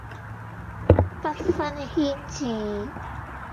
不分軒輊